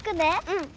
うん。